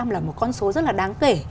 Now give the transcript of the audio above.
bốn mươi là một con số rất là đáng kể